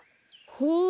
ほう。